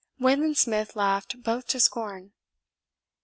Wayland Smith laughed both to scorn.